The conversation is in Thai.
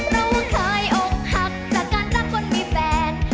เราเคยอกหักจากการรักคนมีแฟน